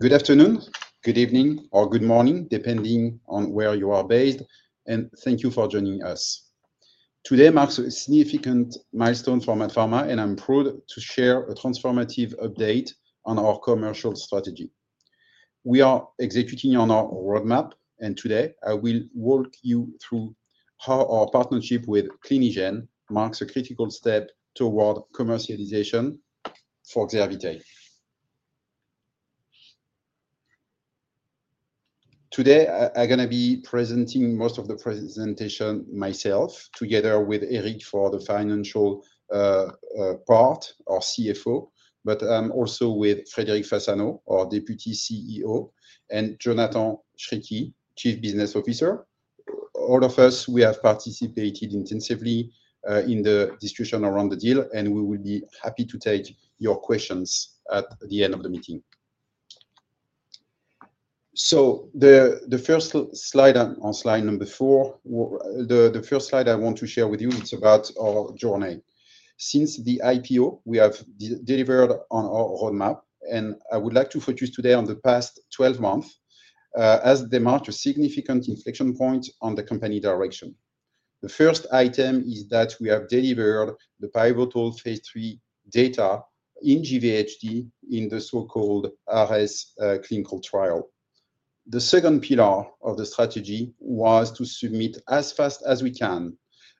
Good afternoon, good evening or good morning depending on where you are based. Thank you for joining us. Today marks a significant milestone for MaaT Pharma and I'm proud to share a transformative update on our commercial strategy we are executing on our roadmap. Today I will walk you through how our partnership with Clinigen marks a critical step toward commercialization for the arbitrary. Today I'm going to be presenting most of the presentation myself together with Eric for the financial part, our CFO, but I'm also with Frédéric Fasano, our Deputy CEO, and Jonathan Chriqui, Chief Business Officer. All of us, we have participated intensively in the discussion around the deal and we will be happy to take your questions at the end of the meeting. The first slide on slide number four, the first slide I want to share with you. It's about our journey since the IPO. We have delivered on our roadmap and I would like to focus today on the past 12 months as they marked a significant inflection point on the company direction. The first item is that we have delivered the pivotal phase III data in GVHD in the so-called ARES clinical trial. The second pillar of the strategy was to submit as fast as we can,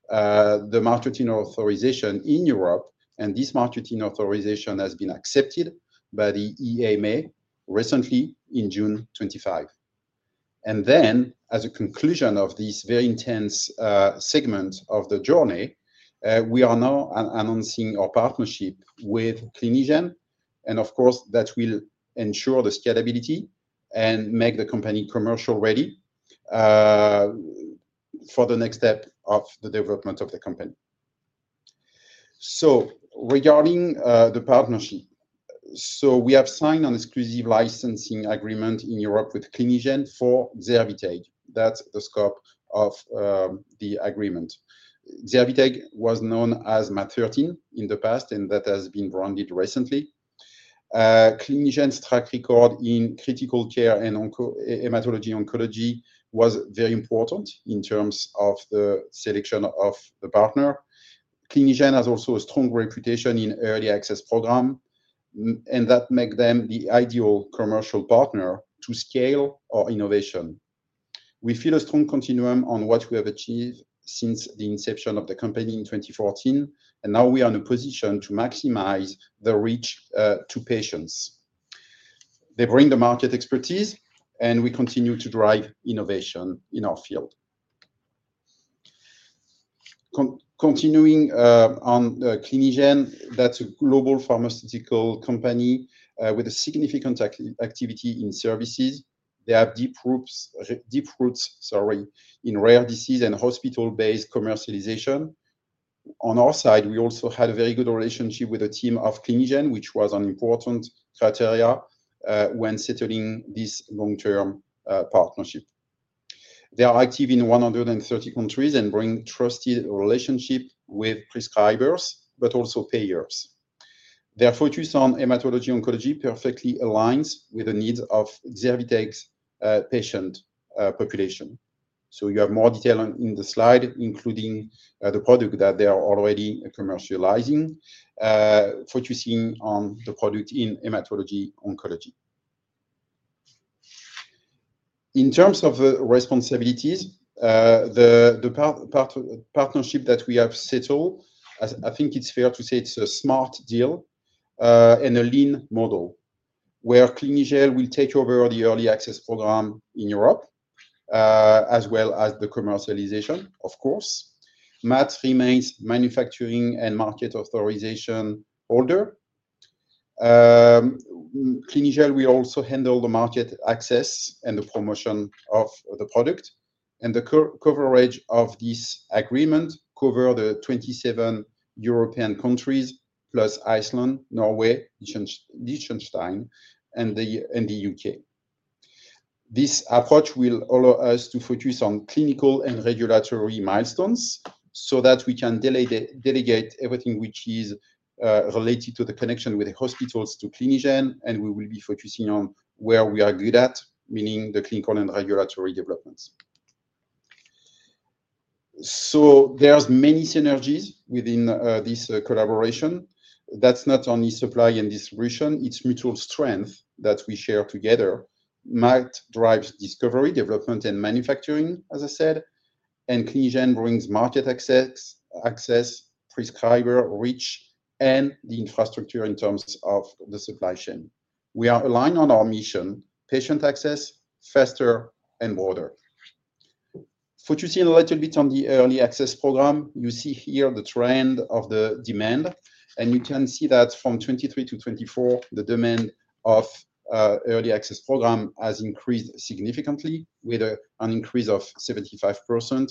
the marketing authorization in Europe. And this marketing authorization has been accepted by the EMA recently in June 2025. As a conclusion of this very intense segment of the journey, we are now announcing our partnership with Clinigen. Of course, that will ensure the scalability and make the company commercially ready for the next step of the development of the company. Regarding the partnership, we have signed an exclusive licensing agreement in Europe with Clinigen for Xervyteg. That is the scope of the agreement. Xervyteg was known as MaaT013 in the past and that has been branded recently. Clinigen's track record in critical care and hematology oncology was very important in terms of the selection of the partner. Clinigen also has a strong reputation in early access program and that makes them the ideal commercial partner to scale our innovation. We feel a strong continuum on what we have achieved since the inception of the company in 2014 and now we are in a position to maximize the reach to patients. They bring the market expertise and we continue to drive innovation in our field. Continuing on Clinigen, that is a global pharmaceutical company with a significant activity in services. They have deep, deep roots, sorry, in rare disease and hospital-based commercialization. On our side, we also had a very good relationship with a team of clinicians, which was an important criteria when settling this long-term partnership. They are active in 130 countries and bring trusted relationships with prescribers but also payers. Their focus on hematology oncology perfectly aligns with the needs of Xervyteg patient population. You have more detail in the slide, including the products that they are already commercializing, focusing on the product in hematology oncology. In terms of responsibilities, the partnership that we have settled, I think it's fair to say it's a smart deal and a lean model, where Clinigen will take over the early access program in Europe as well as the commercialization. Of course, MaaT remains manufacturing and market authorization holder. Clinigen will also handle the market access and the promotion of the product. The coverage of this agreement covers the 27 European countries plus Iceland, Norway, Liechtenstein, and the U.K.. This approach will allow us to focus on clinical and regulatory milestones so that we can delegate everything which is related to the connection with the hospitals to Clinigen. We will be focusing on where we are good at, meaning the clinical and regulatory developments. There are many synergies within this collaboration. That is not only supply and distribution. It is mutual strength that we share together. MaaT drives discovery, development, and manufacturing, as I said, and Clinigen brings market access, prescriber reach, and the infrastructure. In terms of the supply chain, we are aligned on our mission: patient access faster and broader. What you see a little bit on the early access program, you see here the trend of the demand and you can see that from 2023 to 2024 the demand of early access program has increased significantly with an increase of 75%.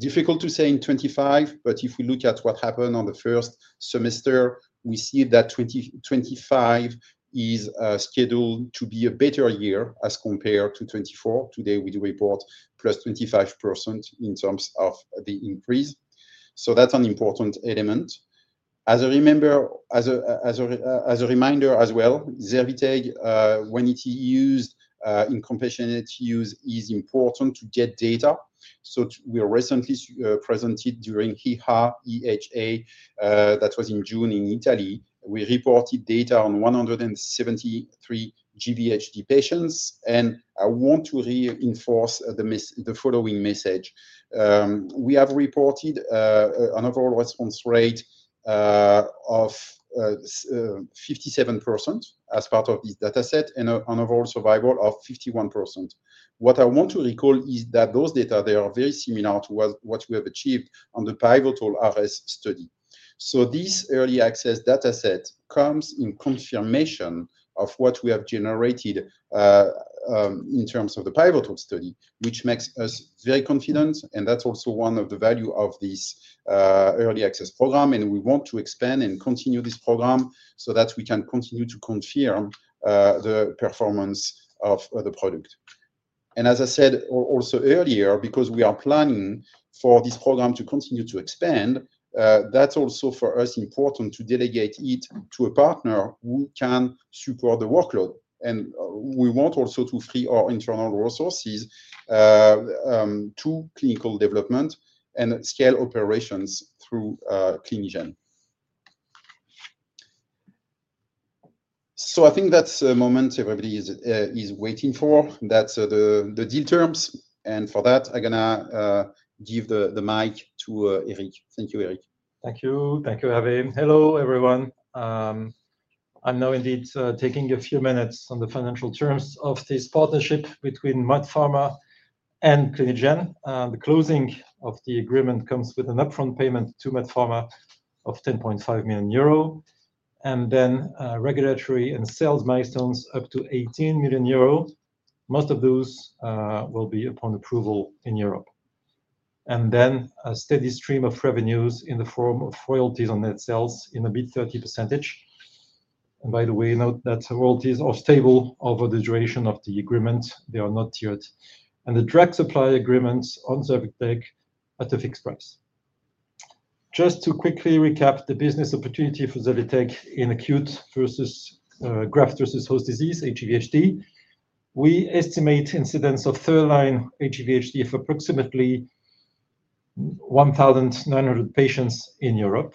Difficult to say in 2025, but if we look at what happened on the first semester, we see that 2025 is scheduled to be a better year as compared to 2024 today. We do report plus 25% in terms of the increase. That's an important element. As a reminder as well, Xervyteg when it used to in compassionate use is important to get data. We recently presented during EHA, that was in June in Italy, we reported data on 173 GVHD patients. I want to reinforce the following message. We have reported an overall response rate of 57% as part of this data set and overall survival of 51%. What I want to recall is that those data, they are very similar to what we have achieved on the pivotal RS study. These early access data set comes in confirmation of what we have generated in terms of the pivotal study, which makes us very confident and that is also one of the value of this early access program. We want to expand and continue this program so that we can continue to confirm the performance of the product. As I said also earlier, because we are planning for this program to continue to expand, that is also for us important to delegate it to a partner who can support the workload. We want also to free our internal resources to clinical development and scale operations through Clinigen. I think that's a moment everybody is waiting for. That's the deal terms and for that I'm gonna give the mic to Eric. Thank you, Eric. Thank you. Thank you Hervé. Hello everyone. I'm now indeed taking a few minutes on the financial terms of this partnership between MaaT Pharma and Clinigen. The closing of the agreement comes with an upfront payment to MaaT Pharma of 10.5 million euro and then regulatory and sales milestones up to 18 million euro. Most of those will be upon approval in Europe and then a steady stream of revenues in the form of royalties on net sales in a bit 30%. By the way, note that royalties are stable over the duration of the agreement, they are not tiered and the direct supply agreements on Xervyteg at a fixed price. Just to quickly recap the business opportunity for Xervyteg in acute graft-versus-host disease, GVHD, we estimate incidence of third line GVHD of approximately 1,900 patients in Europe.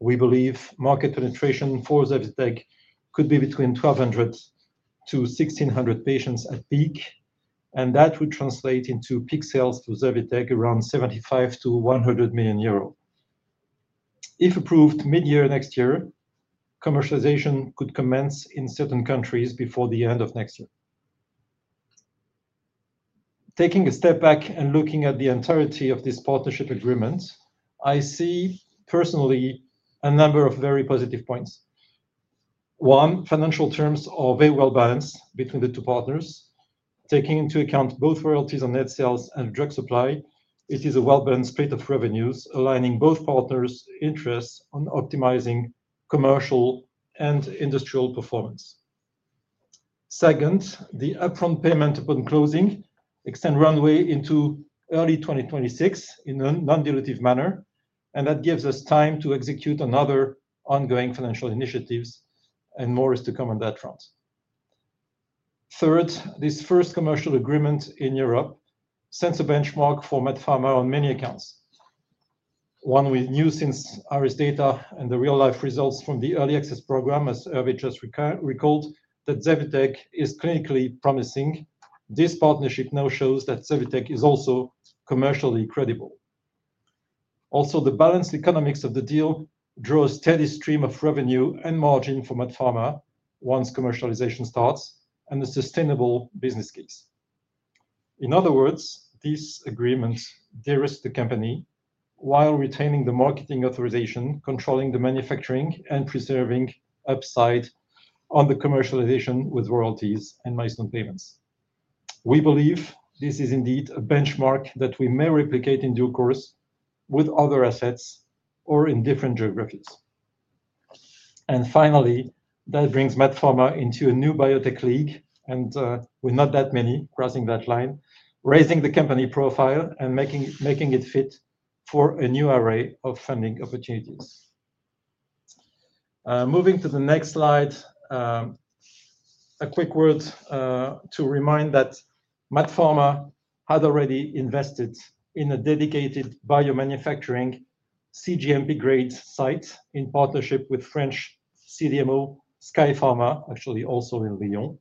We believe market penetration for Xervyteg could be between 1,200-1,600 patients at peak and that would translate into peak sales for Xervyteg around 75 million-100 million euros if approved mid-year next year. Commercialization could commence in certain countries before the end of next year. Taking a step back and looking at the entirety of this partnership agreement, I see personally a number of very positive points. One, financial terms are very well balanced between the two partners taking into account both royalties on net sales and drug supply. It is a well balanced split of revenues aligning both partners' interests on optimizing commercial and industrial performance. Second, the upfront payment upon closing extends runway into early 2026 in a non-dilutive manner and that gives us time to execute on other ongoing financial initiatives and more is to come on that front. Third, this first commercial agreement in Europe sends a benchmark for MaaT Pharma on many accounts. One, we knew since ARES data and the real life results from the early access program, as Hervé has recalled, that Xervyteg is clinically promising. This partnership now shows that Xervyteg is also commercially credible. Also, the balanced economics of the deal draw a steady stream of revenue and margin for MaaT Pharma once commercialization starts and the sustainable business case. In other words, these agreements de-risk the company while retaining the marketing authorization, controlling the manufacturing, and preserving upside on the commercialization with royalties and milestone payments. We believe this is indeed a benchmark that we may replicate in due course with other assets or in different geographies. Finally, that brings MaaT Pharma into a new biotech league. With not that many crossing that line, raising the company profile and making it fit for a new array of funding opportunities. Moving to the next slide, a quick word to remind that MaaT Pharma had already invested in a dedicated biomanufacturing CGMP grade site in partnership with French CDMO Skyepharma. Actually also in Lyon.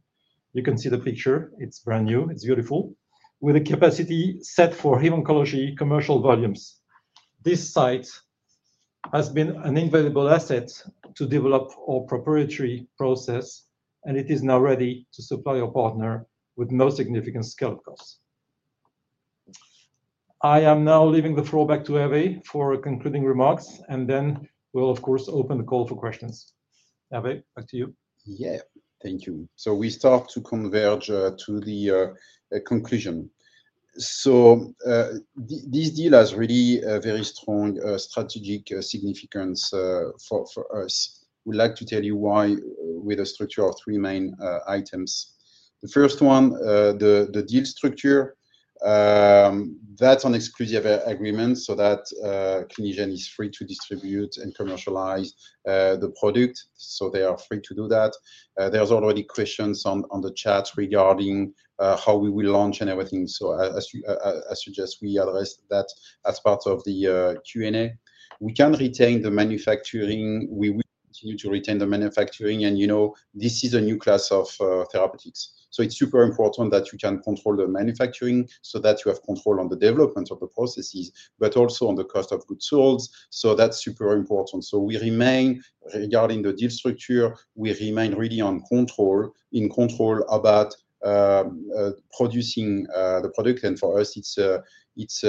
You can see the picture. It's brand new, it's beautiful. With a capacity set for hematology commercial volumes, this site has been an invaluable asset to develop a proprietary process and it is now ready to supply your partner with no significant scale costs. I am now leaving the floor back to Hervé for concluding remarks and then we'll of course open the call for questions. Hervé, back to you. Yeah, thank you. We start to converge to the conclusion. This deal has really very strong strategic significance for us. Would like to tell you why. With a structure of three main items. The first one, the deal structure, that's an exclusive agreement so that Clinigen is free to distribute and commercialize the product. They are free to do that. There are already questions on the chat regarding how we will launch and everything. I suggest we address that as part of the Q&A. We can retain the manufacturing. We will continue to retain the manufacturing. You know, this is a new class of therapeutics. It is super important that you can control the manufacturing so that you have control on the development of the processes, but also on the cost of goods sold. That is super important. We remain, regarding the deal structure, really in control about producing the product. For us, it's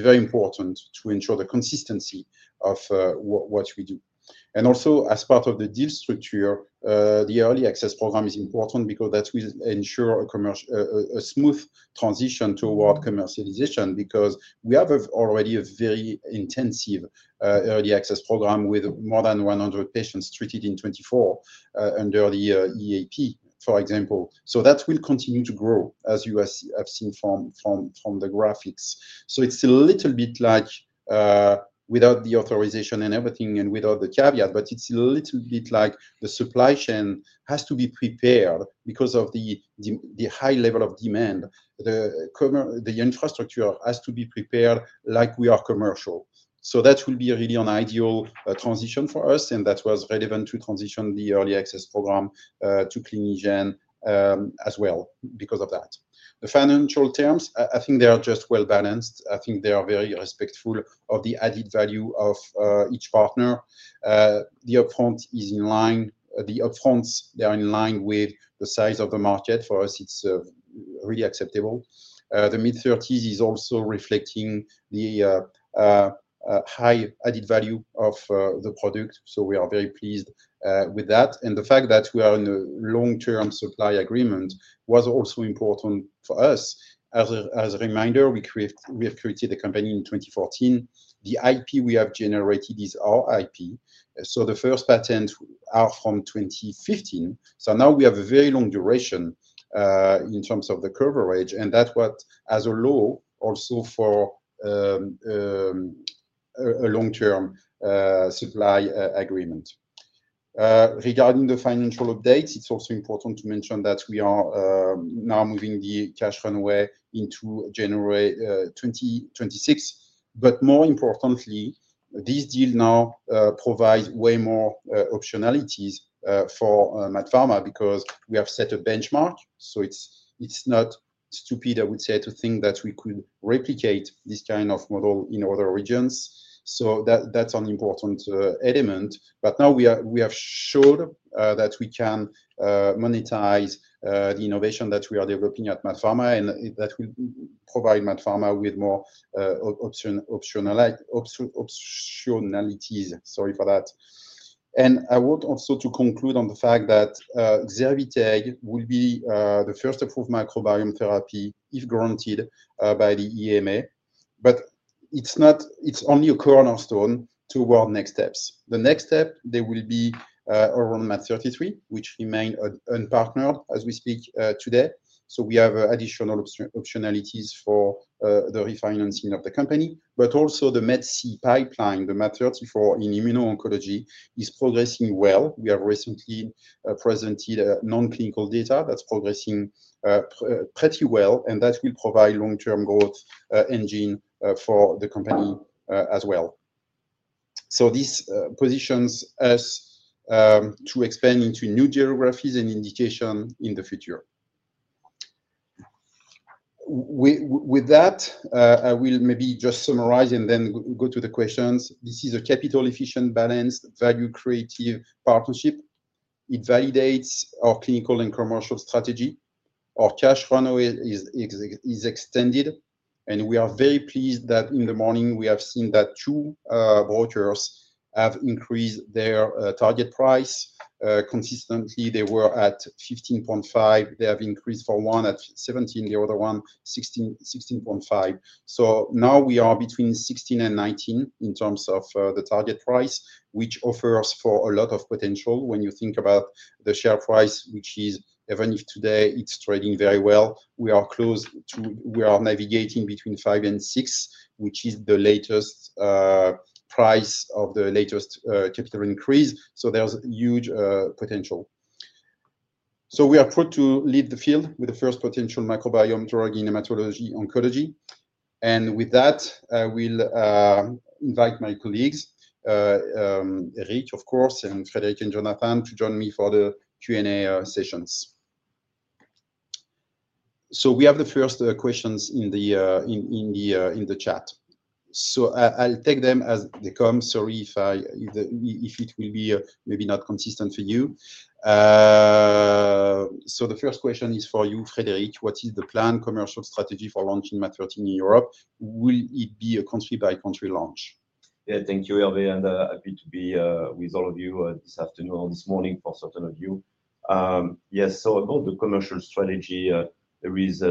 very important to ensure the consistency of what we do. Also, as part of the deal structure, the early access program is important because that will ensure a smooth transition toward commercialization. We have already a very intensive early access program with more than 100 patients treated in 2024 under the EAP, for example. That will continue to grow as you have seen from the graphics. It's a little bit like, without the authorization and everything and without the caveat, but it's a little bit like the supply chain has to be prepared because of the high level of demand. The infrastructure has to be prepared. We are commercial, so that will be really an ideal transition for us. That was relevant to transition the early access program to Clinigen as well. Because of that, the financial terms, I think they are just well balanced. I think they are very respectful of the added value of each partner. The upfront is in line. The upfronts, they are in line with the size of the market. For us it is really acceptable. The mid-30s is also reflecting the high added value of the product. We are very pleased with that. The fact that we are in a long term supply agreement was also important for us. As a reminder, we have created the company in 2014. The IP we have generated is our IP. The first patents are from 2015. Now we have a very long duration in terms of the coverage and that was also for a long-term supply agreement. Regarding the financial updates, it's also important to mention that we are now moving the cash runway into January 2026. More importantly, this deal now provides way more optionalities for MaaT Pharma because we have set a benchmark. It's not stupid, I would say, to think that we could replicate this kind of model in other regions. That's an important element. Now we have showed that we can monetize the innovation that we are developing at MaaT Pharma and that will provide MaaT Pharma with more optionalities. Sorry for that. I want also to conclude on the fact that Xervyteg will be the first approved microbiome therapy if guaranteed by the EMA. It's only a cornerstone toward next steps. The next step they will be around MaaT033 which remain unpartnered as we speak today. So we have additional optionalities for the refinancing of the company, but also the MEDC pipeline. The MaaT034 in immuno-oncology is progressing well. We have recently presented non clinical data that's progressing pretty well and that will provide long term growth engine for the company as well. This positions us to expand into new geographies and indication in the future. With that I will maybe just summarize and then go to the questions. This is a capital, efficient, balanced value, creative partnership. It validates our clinical and commercial strategy. Our cash runway is extended and we are very pleased that in the morning, we have seen that two brochures have increased their target price consistently. They were at 15.5. They have increased for one at 17, the other one 16.5. Now we are between 16 and 19 in terms of the target price, which offers a lot of potential. When you think about the share price, which is, even if today it's trading very well, we are close to, we are navigating between 5 and 6, which is the latest price of the latest capital increase. There is huge potential. We are proud to lead the field with the first potential microbiome to organization. With that I will invite my colleagues, of course, and Frédéric and Jonathan to join me for the Q&A sessions. We have the first questions in the chat. I'll take them as they come. Sorry if it will be maybe not consistent for you. The first question is for you, Frédéric. What is the planned commercial strategy for launching MaaT013 in Europe? Will it be a country by country launch? Yeah. Thank you, Hervé, and happy to be with all of you this afternoon or this morning for certain of you. Yes. About the commercial strategy, there is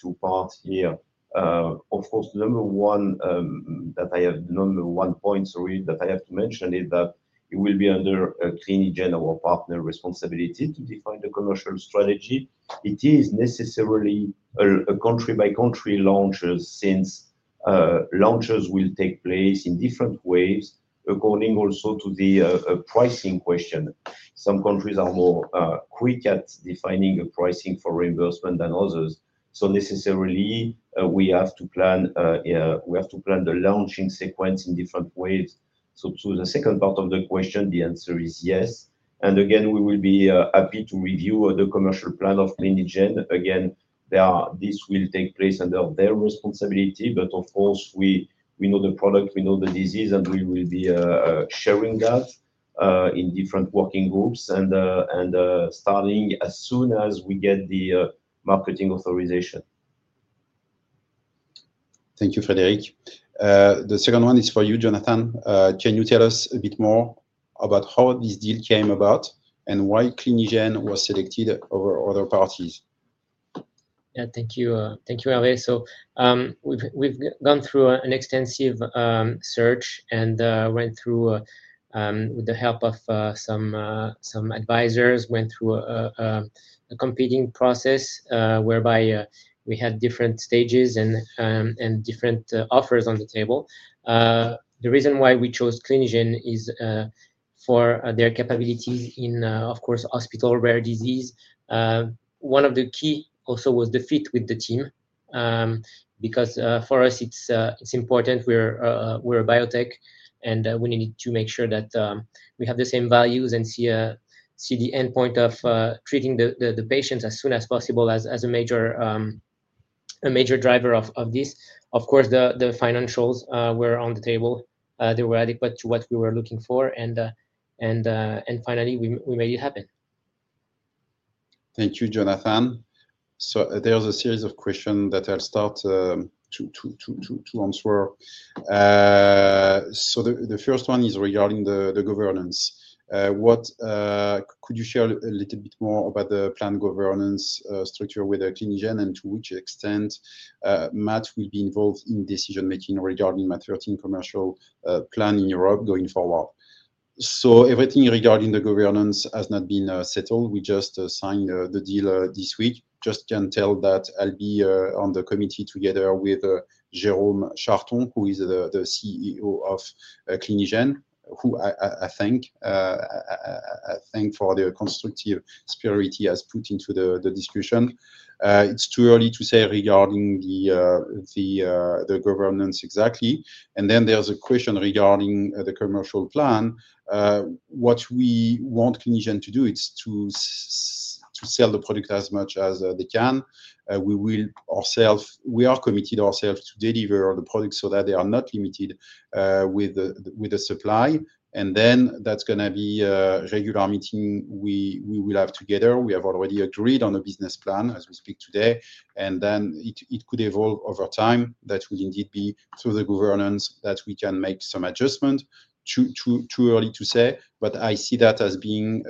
two parts here, of course. Number one point, sorry, that I have to mention is that it will be under Clinigen, our partner responsibility to define the commercial strategy. It is necessarily a country by country launches, since launches will take place in different ways according also to the pricing question. Some countries are more quick at defining pricing for reimbursement than others. Necessarily we have to plan the launching sequence in different ways. To the second part of the question, the answer is yes. Again, we will be happy to review the commercial plan of Clinigen. Again, this will take place under their responsibility. Of course we know the product, we know the disease, and we will be sharing that in different working groups and starting as soon as we get the marketing authorization. Thank you, Frédéric. The second one is for you, Jonathan. Can you tell us a bit more about how this deal came about and why Clinigen was selected over other parties? Thank you, Hervé. We have gone through an extensive search and went through, with the help of some advisors, a competing process whereby we had different stages and different offers on the table. The reason why we chose Clinigen is for their capabilities in, of course, hospital rare disease. One of the key also was the fit with the team because for us it's important. We're a biotech and we need to make sure that we have the same values and see the endpoint of treating the patients as soon as possible as a major driver of this. Of course, the financials were on the table, they were adequate to what we were looking for, and finally we made it happen. Thank you, Jonathan. There is a series of questions that I'll start to answer. The first one is regarding the governance. Could you share a little bit more about the planned governance structure with Clinigen? And to which extent MaaT will be involved in decision making regarding MaaT commercial plan in Europe going forward. Everything regarding the governance has not been settled. We just signed the deal this week. I can just tell that I'll be on the committee together with Jerome Charton, who is the CEO of Clinigen, who I think I thank for the constructive spirit he has put into the discussion. It's too early to say regarding the governance exactly. There is a question regarding the commercial plan. What we want Clinigen to do is to sell the product as much as they can. We will ourselves, we are committed ourselves to deliver the products so that they are not limited with the supply. There is going to be regular meeting we will have together. We have already agreed on a business plan as we speak today and it could evolve over time. That would indeed be through the governance that we can make some adjustment. Too early to say but I see that as being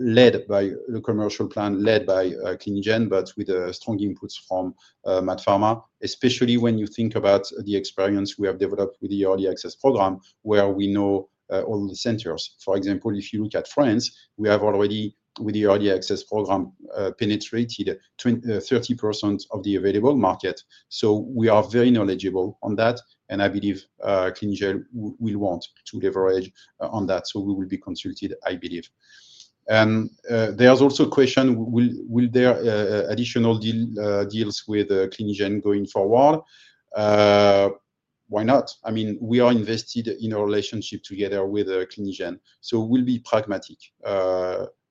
led by the commercial plan, led by Clinigen but with strong inputs from MaaT Pharma. Especially when you think about the experience we have developed with the early access program where we know all the centers. For example, if you look at France, we have already with the early access program penetrated 30% of the available market. We are very knowledgeable on that and I believe Clinigen will want to leverage on that. We will be consulted, I believe. There is also a question: will there be additional deals with Clinigen going forward? Why not? I mean, we are invested in a relationship together with Clinigen, so we will be pragmatic.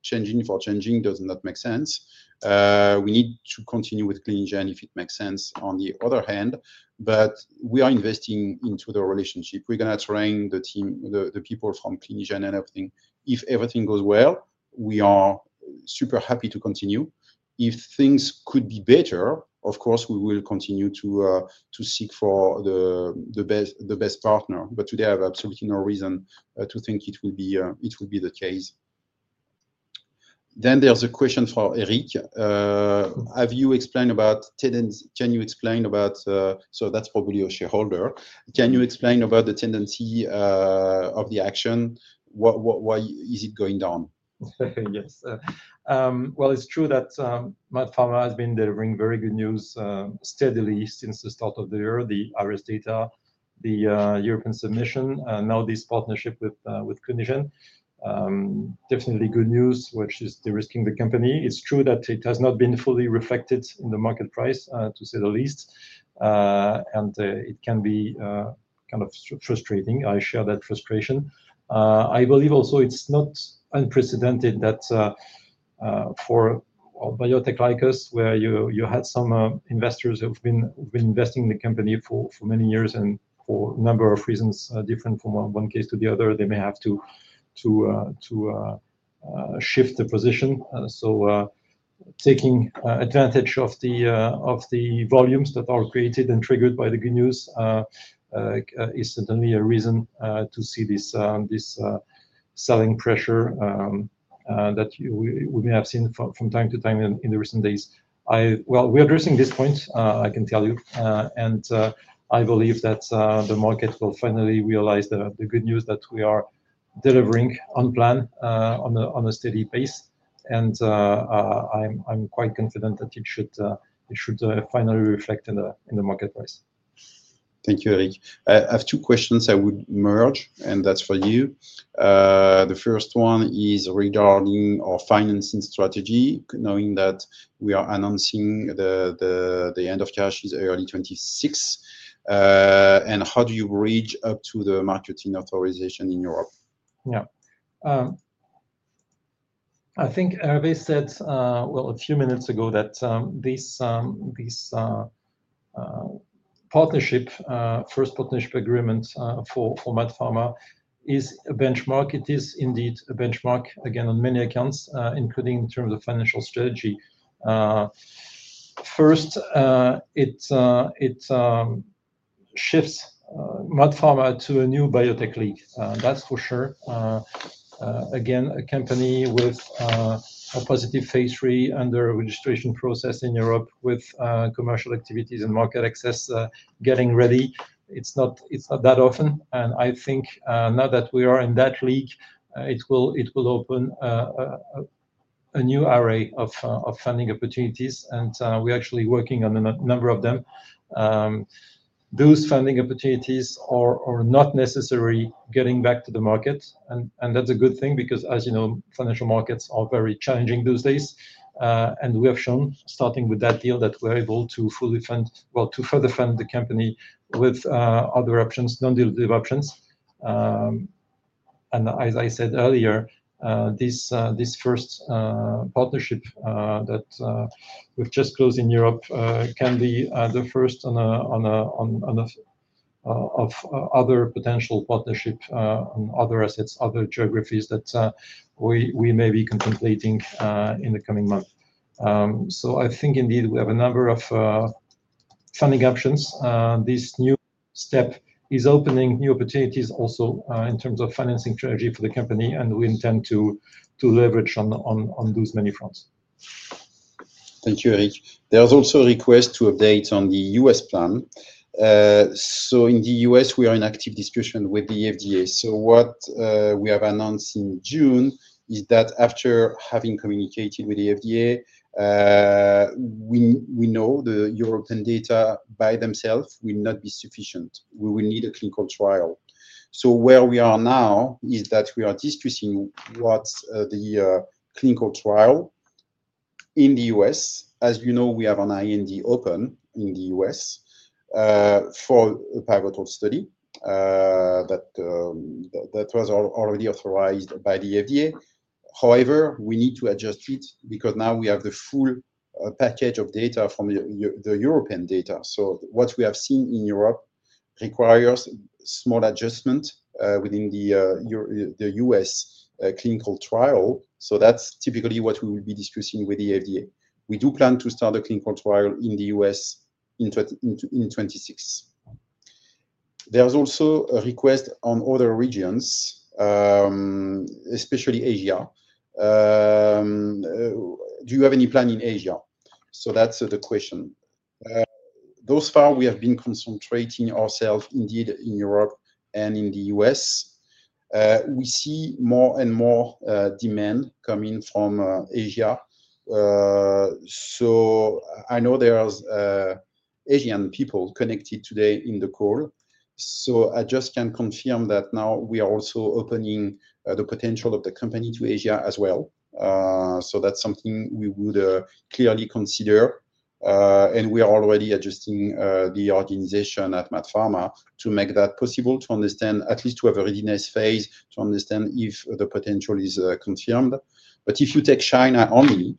Changing for changing does not make sense. We need to continue with Clinigen if it makes sense, on the other hand. We are investing into the relationship. We are going to train the team, the people from Clinigen and everything. If everything goes well, we are super happy to continue. If things could be better, of course we will continue to seek for the best partner. Today I have absolutely no reason to think it will be the case. There is a question for Eric. Have you explained about tenants? Can you explain about—so that is probably a shareholder. Can you explain about the tendency of the action? Why is it going down? Yes, it's true that MaaT Pharma has been delivering very good news steadily since the start of the year. The IRIS data, the European submission, now this partnership with Clinigen, definitely good news which is de-risking the company. It's true that it has not been fully reflected in the market price to say the least and it can be kind of frustrating. I share that frustration. I believe also it's not unprecedented that for biotech like us where you had some investors who've been investing in the company for many years and for a number of reasons different from one case to the other, they may have to shift the position. Taking advantage of the volumes that are created and triggered by the good news is certainly a reason to see this selling pressure that we may have seen from time to time in the recent days. We're addressing this point, I can tell you, and I believe that the market will finally realize the good news that we are delivering on plan on a steady pace. I'm quite confident that it should finally reflect in the market price. Thank you, Eric. I have two questions that would merge and that is for you. The first one is regarding our financing strategy. Knowing that we are announcing the end of cash is early 2026, and how do you bridge up to the marketing authorization in Europe? Yeah. I think they said a few minutes ago that this partnership, first partnership agreement for MaaT Pharma, is a benchmark. It is indeed a benchmark again on many accounts, including in terms of financial strategy. First, it shifts MaaT Pharma to a new biotech league. That's for sure. Again, a company with a positive phase III under registration process in Europe with commercial activities and market access getting ready, it's not that often, and I think now that we are in that league, it will open a new array of funding opportunities and we're actually working on a number of them. Those funding opportunities are not necessarily getting back to the market and that's a good thing because as you know financial markets are very challenging these days and we have shown starting with that deal that we're able to fully fund, well, to further fund the company with other options, non-deal dev options. As I said earlier, this first partnership that we've just closed in Europe can be the first of other potential partnerships, other assets, other geographies that we may be contemplating in the coming months. I think indeed we have a number of funding options. This new step is opening new opportunities also in terms of financing strategy for the company. We intend to leverage on those many fronts. Thank you, Eric. There's also a request to update on the U.S. plan. In the U.S. we are in active discussion with the FDA. What we have announced in June is that after having communicated with the FDA, we know the European data by themselves will not be sufficient. We will need a clinical trial. Where we are now is that we are discussing what the clinical trial in the U.S. will be. As you know, we have an IND open in the U.S. for a pivotal study that was already authorized by the FDA. However, we need to adjust it because now we have the full package of data from the European data. What we have seen in Europe requires small adjustment within the U.S. clinical trial. That is typically what we will be discussing with the FDA. We do plan to start a clinical trial in the U.S. in 2026. There's also a request on other regions, especially Asia. Do you have any plan in Asia? That's the question. Thus far we have been concentrating ourselves indeed in Europe and in the U.S. We see more and more demand coming from Asia. I know there are Asian people connected today in the call. I just can confirm that now we are also opening the potential of the company to Asia as well. That's something we would clearly consider. We are already adjusting the organization at MaaT Pharma to make that possible, to understand, at least to have a readiness phase to understand if the potential is confirmed. If you take China only,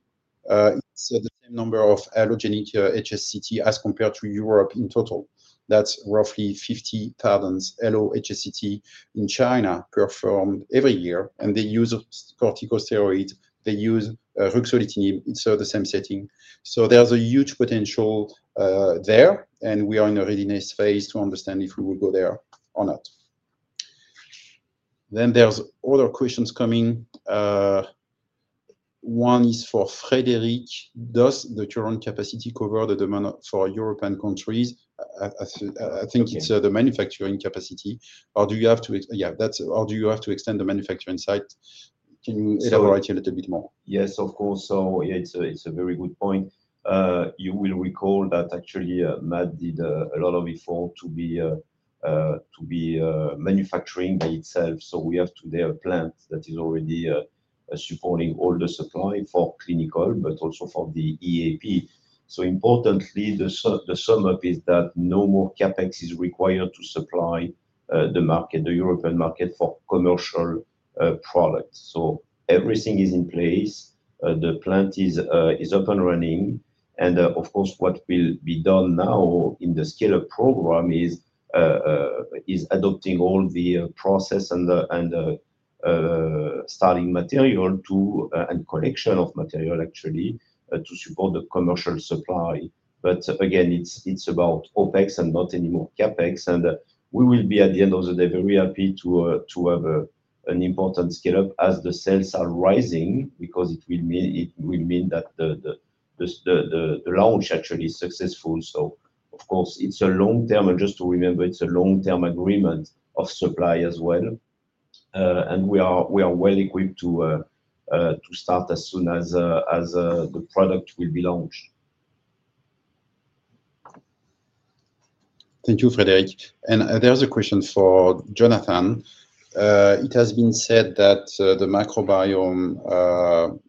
it's the same number of allogeneic HSCT as compared to Europe. In total, that's roughly 50,000 allo-HSCT in China performed every year. They use corticosteroids, they use ruxolitinib. It's the same setting. There is a huge potential there and we are in a readiness phase to understand if we will go there or not. There are other questions coming. One is for Frédéric, does the current capacity cover the demand for European countries? I think it's the manufacturing capacity. Or do you have to—yeah, that's—or do you have to extend the manufacturing site? Can you elaborate a little bit more? Yes, of course. It is a very good point. You will recall that actually MaaT did a lot of effort to be manufacturing by itself. We have today a plant that is already supporting all the supply for clinical but also for the EAP. Importantly, the sum up is that no more CapEx is required to supply the market, the European market for commercial products. Everything is in place, the plant is up and running and what will be done now in the scale-up program is adopting all the process and starting material and collection of material actually to support the commercial supply. Again, it is about OpEx and not anymore CapEx. We will be at the end of the day very happy to have an important scale up as the sales are rising because it will mean that the launch actually is successful. Of course, it's a long term and just to remember, it's a long term agreement of supply as well and we are well equipped to start as soon as the product will be launched. Thank you, Frédéric. There is a question for Jonathan. It has been said that the microbiome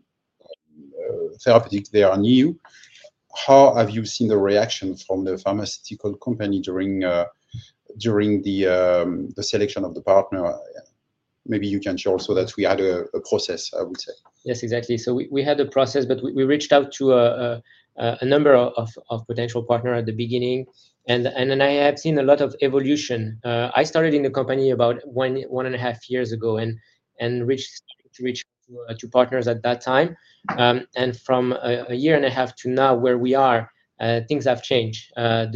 therapeutics, they are new. How have you seen the reaction from the pharmaceutical company during the selection of the partner? Maybe you can share also that we had a process. I would say yes, exactly. We had the process but we reached out to a number of potential partners at the beginning. I have seen a lot of evolution. I started in the company about one and a half years ago and reached two partners at that time. From a year and a half to now where we are, things have changed. The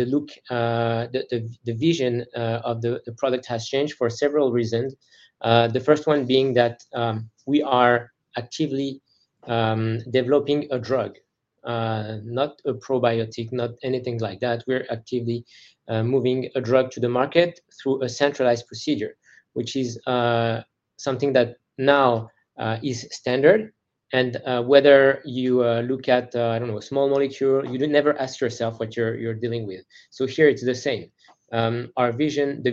vision of the product has changed for several reasons. The first one being that we are actively developing a drug, not a probiotic, not anything like that. We're actively moving a drug to the market through a centralized procedure, which is something that now is standard. Whether you look at, I do not know, a small molecule, you never ask yourself what you're dealing with. Here it's the same. The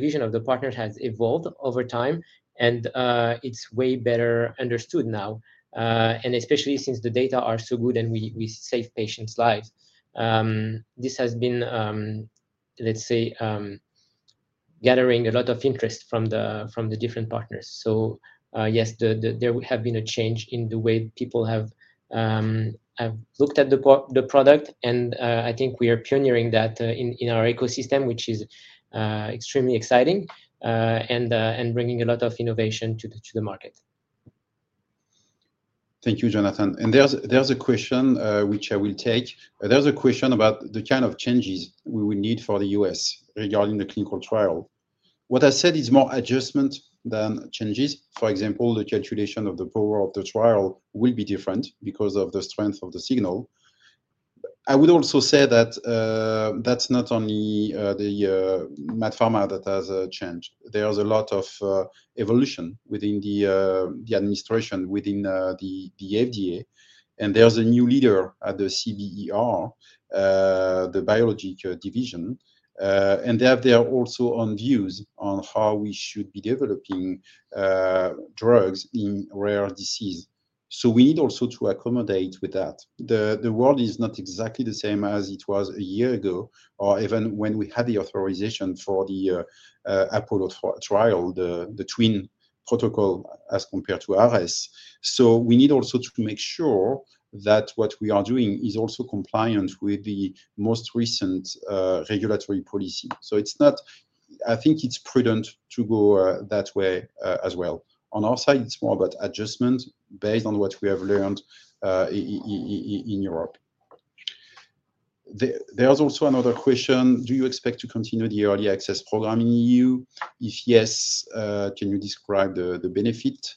vision of the partners has evolved over time and it is way better understood now. Especially since the data are so good and we save patients' lives, this has been, let's say, gathering a lot of interest from the different partners. Yes, there has been a change in the way people have looked at the product and I think we are pioneering that in our ecosystem, which is extremely exciting and bringing a lot of innovation to the market. Thank you, Jonathan. There is a question which I will take. There is a question about the kind of changes we would need for the U.S. regarding the clinical trial. What I said is more adjustment than changes. For example, the calculation of the power of the trial will be different because of the strength of the signal. I would also say that that is not only MaaT Pharma that has changed. There is a lot of evolution within the administration, within the FDA, and there is a new leader at the CBER, the biologic division, and they have their also own views on how we should be developing drugs in rare diseases. We need also to accommodate with that. The world is not exactly the same as it was a year ago or even when we had the authorization for the Apollo trial, the twin protocol as compared to ARES. We need also to make sure that what we are doing is also compliant with the most recent regulatory policy. It is not. I think it is prudent to go that way as well. On our side, it is more about adjustment based on what we have learned in Europe. There is also another question. Do you expect to continue the early access program in EU? If yes, can you describe the benefit,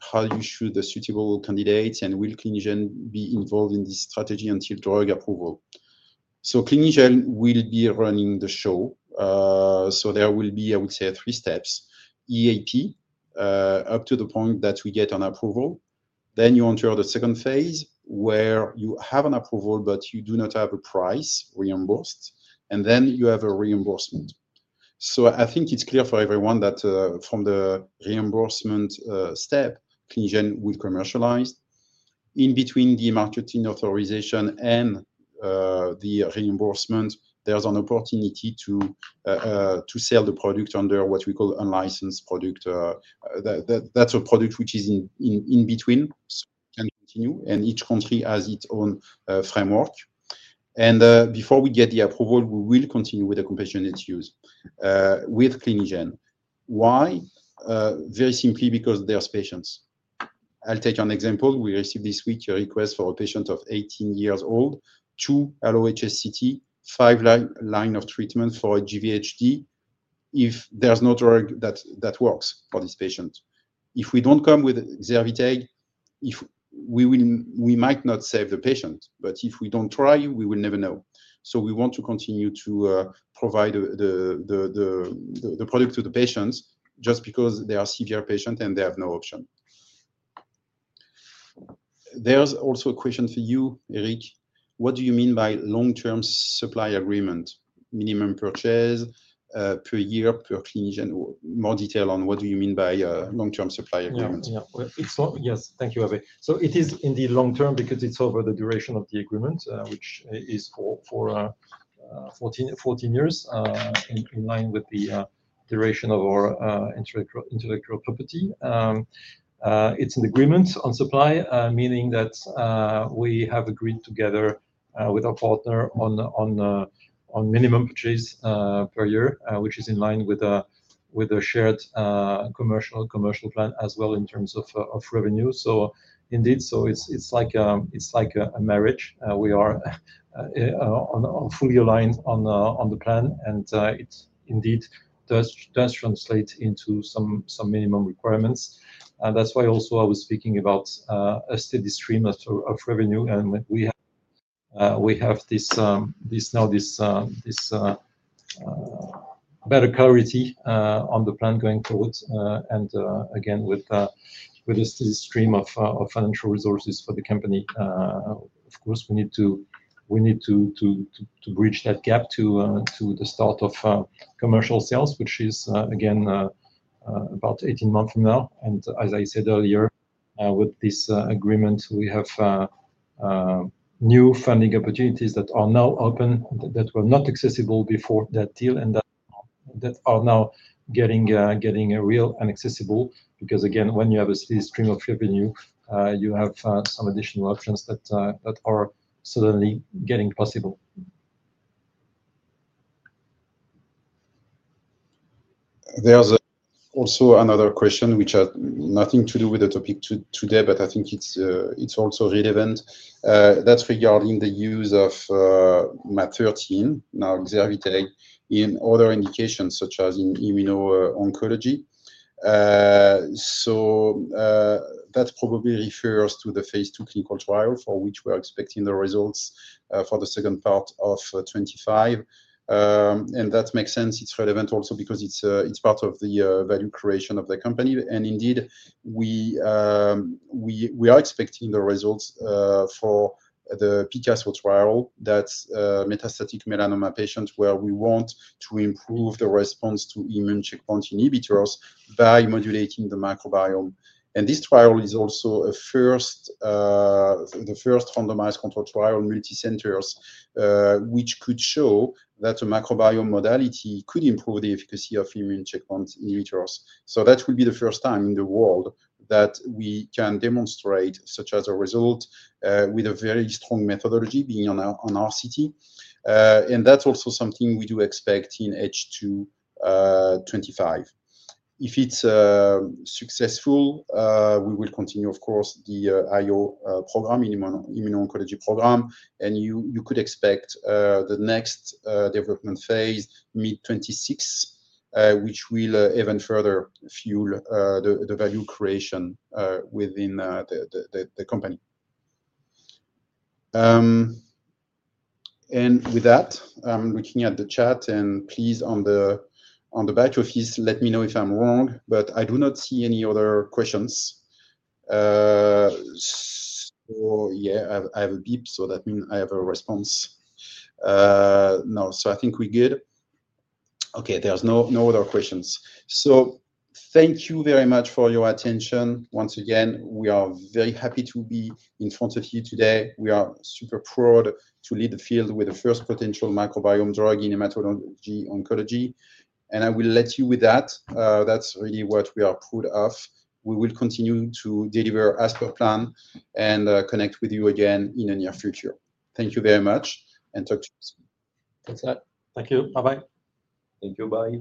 how you choose the suitable candidates? And will Clinigen be involved in this strategy until drug approval? Clinigen will be running the show. There will be, I would say, three steps: EAP up to the point that we get an approval. Then you enter the second phase where you have an approval but you do not have a price reimbursed, and then you have a reimbursement. I think it's clear for everyone that from the reimbursement step, Clinigen will commercialize. In between the marketing authorization and the reimbursement, there's an opportunity to sell the product under what we call unlicensed product. That's a product which is in between. Each country has its own framework. Before we get the approval, we will continue with the compassionate use with Clinigen. Why? Very simply, because there's patients. I'll take an example. We received this week a request for a patient of 18 years old, two allo-HSCT, 5 line of treatment for GVHD. If there's no drug that works for this patient, if we don't come with Xervyteg, we might not save the patient. If we don't try, we will never know. We want to continue to provide the product to the patients just because they are severe patients and they have no option. There's also a question for you, Eric. What do you mean by long term supply agreement? Minimum purchase per year per clinician. More detail on what do you mean by long term supply agreement? Yes, thank you, Hervé. It is indeed long term because it is over the duration of the agreement, which is for 14 years in line with the duration of our intellectual property. It is an agreement on supply, meaning that we have agreed together with our partner on minimum purchase per year, which is in line with the shared commercial plan. In terms of revenue, it is like a marriage. We are fully aligned on the plan and it does translate into some minimum requirements. That is why I was speaking about a steady stream of revenue. We have now this better clarity on the plan going forward. With this stream of financial resources for the company, of course we need to bridge that gap to the start of commercial sales, which is about 18 months from now. As I said earlier, with this agreement, we have new funding opportunities that are now open, that were not accessible before that deal and that are now getting real and accessible. Because again, when you have a stream of revenue, you have some additional options that are suddenly getting possible. There's also another question which has nothing to do with the topic today, but I think it's also relevant that's regarding the use of MaaT013, now Xervyteg, in other indications such as in immuno-oncology. That probably refers to the phase II clinical trial for which we are expecting the results for the second part of 2025. That makes sense. It's relevant also because it's part of the value creation of the company. Indeed, we are expecting the results for the PICASSO trial, that's metastatic melanoma patients where we want to improve the response to immune checkpoint inhibitors by modulating the microbiome. This trial is also the first randomized control trial, multi-centers, which could show that a microbiome modality could improve the efficacy of immune checkpoint inhibitors. That will be the first time in the world that we can demonstrate such a result with a very strong methodology being on RCT. That is also something we do expect in H2. If it is successful, we will continue, of course, the IO program, the immuno-oncology program. You could expect the next development phase mid 2026, which will even further fuel the value creation within the company. With that, I am looking at the chat, and please, on the back office, let me know if I am wrong, but I do not see any other questions. Yeah, I have a beep, so that means I have a response. No. I think we are good. There are no other questions. Thank you very much for your attention. Once again, we are very, very happy to be in front of you today. We are super proud to lead the field with the first potential microbiome drug in hematology oncology. I will let you with that, that's really what we are proud of. We will continue to deliver as per plan and connect with you again in the near future. Thank you very much and talk to you soon. Thank you. Bye bye. Thank you. Bye.